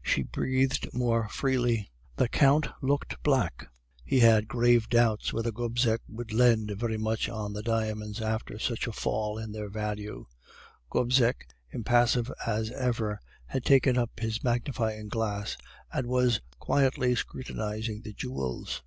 "She breathed more freely. The Count looked black; he had grave doubts whether Gobseck would lend very much on the diamonds after such a fall in their value. Gobseck, impassive as ever, had taken up his magnifying glass, and was quietly scrutinizing the jewels.